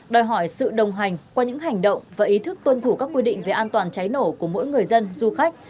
đòi hỏi sự đồng hành qua những hành động và ý thức tuân thủ các quy định về an toàn cháy nổ của mỗi người dân du khách